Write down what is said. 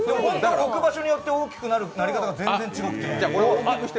置く場所によって大きくなり方が全然違って。